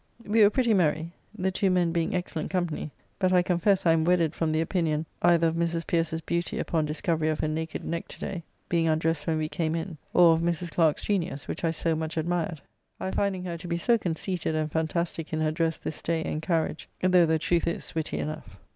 We were pretty merry, the two men being excellent company, but I confess I am wedded from the opinion either of Mrs. Pierces beauty upon discovery of her naked neck to day, being undrest when we came in, or of Mrs. Clerke's genius, which I so much admired, I finding her to be so conceited and fantastique in her dress this day and carriage, though the truth is, witty enough.